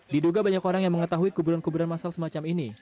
diduga banyak orang yang mengetahui kuburan kuburan masal semacam ini